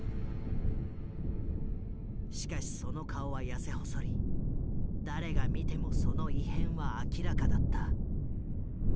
しかしその顔は痩せ細り誰が見てもその異変は明らかだった。